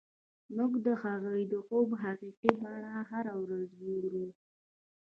موږ د هغوی د خوب حقیقي بڼه هره ورځ ګورو